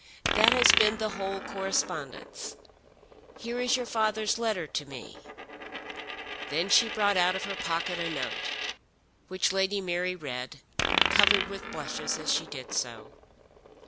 That has been the whole correspondence. Here is your father's letter to me." Then she brought out of her pocket a note, which Lady Mary read, covered with blushes as she did so.